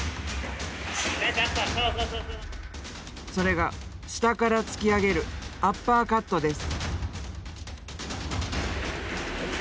それが下から突き上げるアッパーカットです。